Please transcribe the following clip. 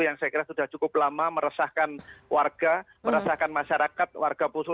yang saya kira sudah cukup lama meresahkan warga meresahkan masyarakat warga poso